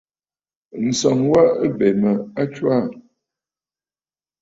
Ǹsɔŋ wa wa ɨ bè mə a ntswaà.